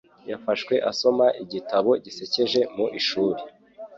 Yafashwe asoma igitabo gisekeje mu ishuri.